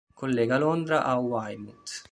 Collega Londra a Weymouth.